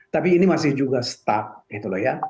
tapi ini masih juga stuck gitu loh ya